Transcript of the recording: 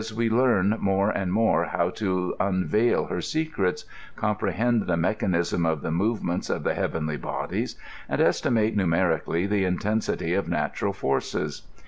39 I ^BB we learn more and more how to uiiTail her ieoretf , com* • prebend the mechanism of the movements of the heavenly bodies, and estimate numerically the intensity of natural forces.